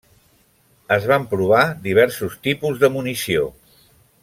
Es van provar diversos tipus de munició.